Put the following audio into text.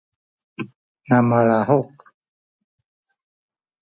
na malahuk